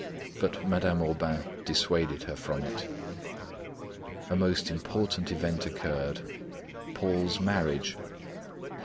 But Madame Aubain dissuaded her from it. A most important event occurred: Paul's marriage.